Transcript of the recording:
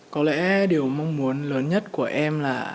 có lẽ điều mong muốn lớn nhất của em là